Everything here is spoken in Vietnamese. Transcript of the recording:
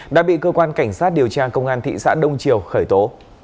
đã bị cơ quan cảnh sát điều tra công an thị xã đông triều khởi tố